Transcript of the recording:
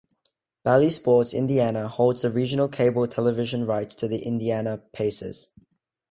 Bally Sports Indiana holds the regional cable television rights to the Indiana Pacers.